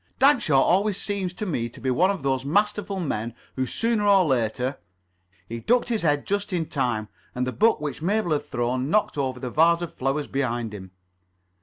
"Dagshaw always seems to me to be one of those masterful men who sooner or later——" He ducked his head just in time, and the book which Mabel had thrown knocked over the vase of flowers behind him.